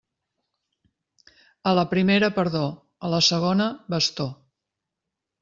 A la primera, perdó; a la segona, bastó.